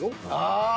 ああ